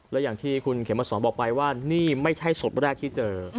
และอย่างที่คุณเขมสอนบอกไปว่านี่ไม่ใช่ศพแรกที่เจอ